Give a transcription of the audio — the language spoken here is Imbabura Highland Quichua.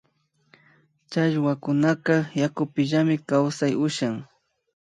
Challwakunaka yakupimillami kawsay ushan